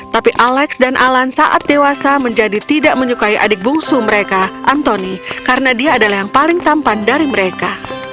tapi alex dan alan saat dewasa menjadi tidak menyukai adik bungsu mereka anthony karena dia adalah yang paling tampan dari mereka